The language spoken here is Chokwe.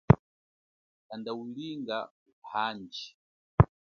Kanda ulinga utanji.